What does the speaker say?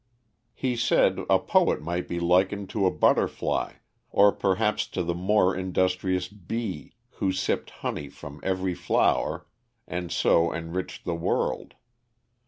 He said a poet might be likened to a butterfly, or perhaps to the more industrious bee, who sipped honey from every flower, and so enriched the world.